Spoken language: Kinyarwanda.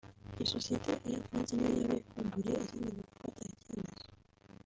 Isosiyeti “Air France” niyo yabibumburiye izindi mu gufata iki cyemezo